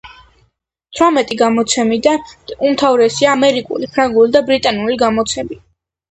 თვრამეტი გამოცემიდან უმთავრესია, ამერიკული, ფრანგული და ბრიტანული გამოცემები.